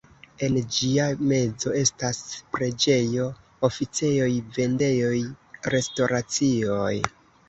En ĝia mezo estas preĝejo, oficejoj, vendejoj, restoracioj.